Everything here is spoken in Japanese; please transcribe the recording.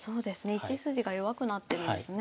１筋が弱くなってるんですね。